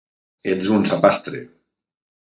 Ets un sapastre